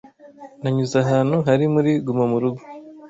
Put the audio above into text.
Nanyuze ahantu hari muri gumamurugo